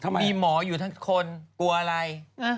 มีหมอทั้งคนกลัวอะไร